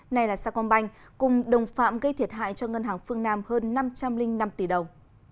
này là sa con banh cùng đồng phạm gây thiệt hại cho ngân hàng phương nam hơn năm trăm linh năm tỷ đồng